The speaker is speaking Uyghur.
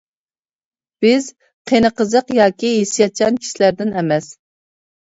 بىز قېنى قىزىق ياكى ھېسسىياتچان كىشىلەردىن ئەمەس.